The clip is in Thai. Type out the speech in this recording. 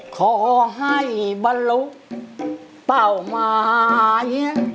ขอให้บรรลุเป้าหมาย